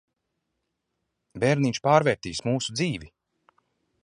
Bērniņš pārvērtīs mūsu dzīvi.